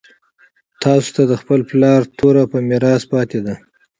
تاسو ته د خپل پلار توره په میراث پاتې ده.